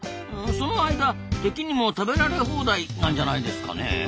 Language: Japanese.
その間敵にも食べられ放題なんじゃないんですかねえ？